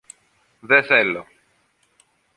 Δε θέλω